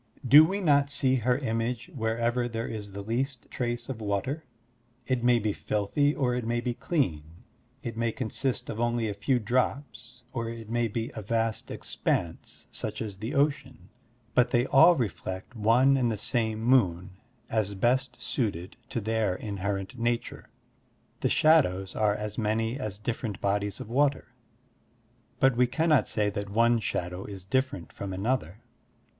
Do we not see her image wherever there is the least trace of water? It may be filthy, or it may be clean; it may consist of only a few drops, or it may be a vast expanse, such as the Ocean; but they all reflect one and the same moon as best suited to their inherent nature. The shadows are as many as different bodies of water, but we cannot say that one shadow is different from another.